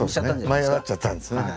舞い上がっちゃったんですね。